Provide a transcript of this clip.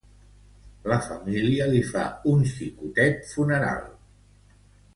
La família li fa un xicotet funeral.